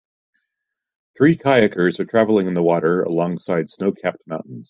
three kayakers are traveling in the water along side snowcapped mountains.